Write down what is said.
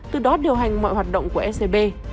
từ đó điều hành mọi hoạt động của scb